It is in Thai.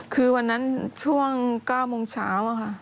คือวันนั้นช่วง๙โมงเช้าอะค่ะ